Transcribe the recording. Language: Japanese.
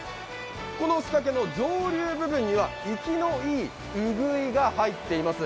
この仕掛けの上流部分は生きのいいウグイが入っています。